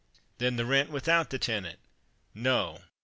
"Then the rent without the tenant." "No!"